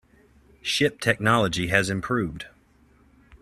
Ship technology has improved.